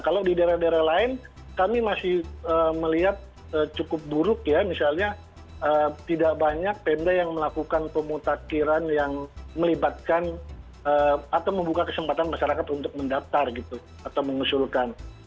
kalau di daerah daerah lain kami masih melihat cukup buruk ya misalnya tidak banyak pemda yang melakukan pemutakhiran yang melibatkan atau membuka kesempatan masyarakat untuk mendaftar gitu atau mengusulkan